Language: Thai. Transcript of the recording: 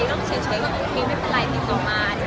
คุยกันแค่ครั้งสุดท้าย